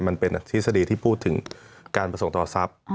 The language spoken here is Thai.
มันเป็นอธิษฎีที่พูดถึงการประสงค์ต่อทรัพย์